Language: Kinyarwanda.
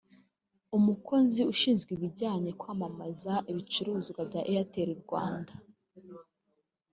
umukozi ushinzwe ibijyanye kwamamaza ibicuruzwa bya Airtel Rwanda